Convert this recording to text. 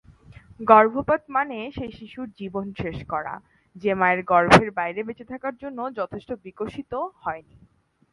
গর্ভপাত মানে সেই শিশুর জীবন শেষ করা, যে মায়ের গর্ভের বাইরে বেঁচে থাকার জন্য যথেষ্ট বিকশিত হয়নি।